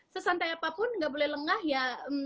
sesantai apapun nggak boleh lengah ya